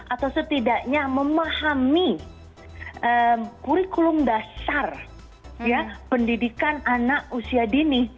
atau setidaknya memahami kurikulum dasar pendidikan anak usia dini